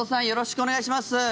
よろしくお願いします。